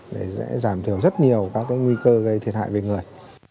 để giảm thiểu rất nhiều các nguy cơ gây thiệt hại về người